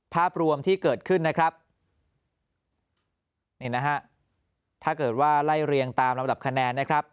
ภาพรวมที่เกิดขึ้นนะครับนี่นะฮะถ้าเกิดว่าไล่เรียงตามลำดับคะแนนนะครับ